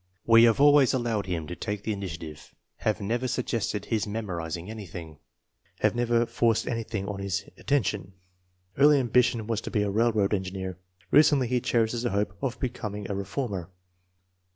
We have always allowed him to take the initia tive, have never suggested his memorizing anything, have never forced anything on his attention.*' Early ambition was to be a railroad engineer. Recently he cherishes the hope of becoming a reformer!